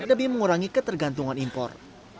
demi mengurangi ketergantungan impor